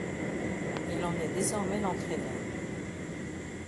Il en est désormais l'entraîneur.